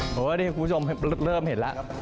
ผมว่านี่คุณผู้ชมเริ่มเห็นแล้ว